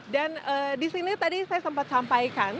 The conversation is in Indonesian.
dan di sini tadi saya sempat sampaikan